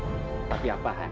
aku mau berbicara sama rino